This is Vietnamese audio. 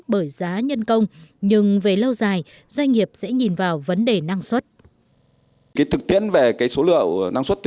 bởi giá nhân công nhưng về lâu dài doanh nghiệp sẽ nhìn vào vấn đề năng suất